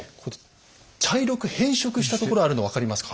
茶色く変色したところあるの分かりますか？